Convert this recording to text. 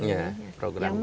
ya program kita ya